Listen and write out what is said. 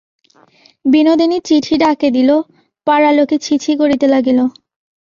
বিনোদিনী চিঠি ডাকে দিল–পাড়ার লোকে ছি ছি করিতে লাগিল।